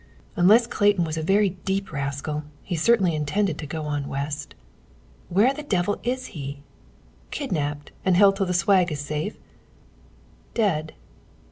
"Unless Clayton was a very deep rascal, he certainly intended to go on West. Where the devil is he? Kidnapped, and held till the swag is safe? Dead?